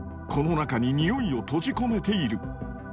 この中に匂いを閉じ込めている。